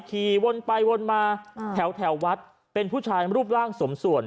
ขี่วนไปวนมาแถววัดเป็นผู้ชายรูปร่างสมส่วน